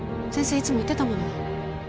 いつも言ってたもの